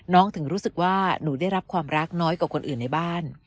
ถึงรู้สึกว่าหนูได้รับความรักน้อยกว่าคนอื่นในบ้าน